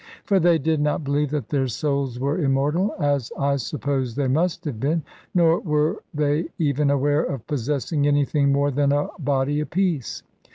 For they did not believe that their souls were immortal (as I suppose they must have been), nor were they even aware of possessing anything more than a body apiece.